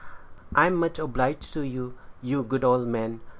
"I'm much obliged to you, you good old man.